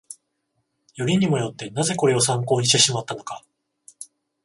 よりにもよって、なぜこれを参考にしてしまったのか